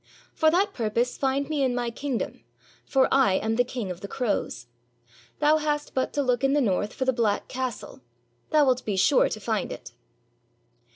For that purpose find me in my king dom, for I am the King of the Crows. Thou hast but to look in the north for the black castle; thou 'It be sure to find it."